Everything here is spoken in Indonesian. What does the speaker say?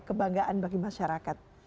kebanggaan bagi masyarakat